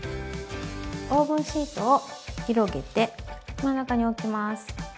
オーブンシートを広げて真ん中に置きます。